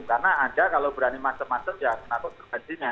karena ada kalau berani masak masak ya kenapa tergantinya